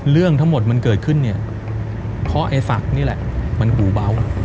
เรื่องทั้งหมดมันเกิดขึ้นเนี่ยเพราะไอ้ศักดิ์นี่แหละมันหูเบา